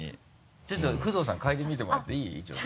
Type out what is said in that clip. ちょっと工藤さん嗅いでみてもらっていい？